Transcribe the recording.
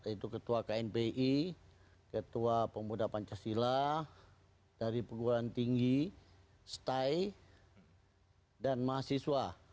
yaitu ketua knpi ketua pemuda pancasila dari perguruan tinggi stay dan mahasiswa